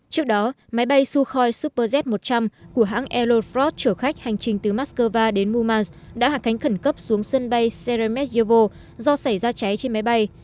trước đó máy bay sukhoi superjet một trăm linh của hãng aerofrost chủ khách hành trình từ moscow đến murmansk đã hạ cánh khẩn cấp xuống sân bay seremetyevo do xảy ra cháy trên máy bay